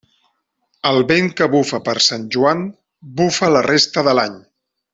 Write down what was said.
El vent que bufa per Sant Joan, bufa la resta de l'any.